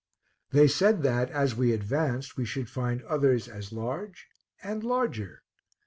They said, that, as we advanced, we should find others as large and larger.